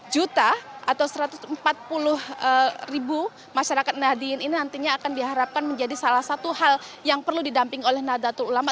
dua puluh juta atau satu ratus empat puluh ribu masyarakat nahdien ini nantinya akan diharapkan menjadi salah satu hal yang perlu didamping oleh nadatul ulama